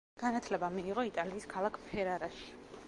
განათლება მიიღო იტალიის ქალაქ ფერარაში.